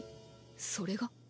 それが？